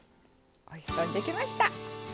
おいしそうにできました。